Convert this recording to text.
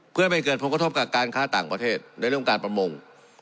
เพื่อไม่เกิดผลกระทบกับการค้าต่างประเทศในเรื่องการประมง